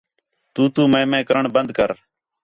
تُو تُو مے مے کرݨ بند کر